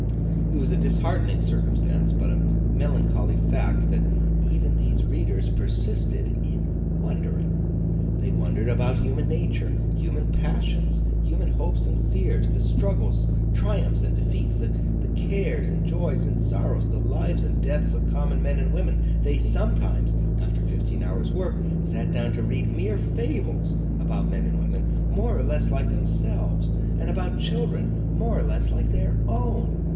It was a disheartening circumstance, but a melancholy fact, that even these readers persisted in wondering. They wondered about human nature, human passions, human hopes and fears, the struggles, triumphs and defeats, the cares and joys and sorrows, the lives and deaths of common men and women! They sometimes, after fifteen hours' work, sat down to read mere fables about men and women, more or less like themselves, and about children, more or less like their own.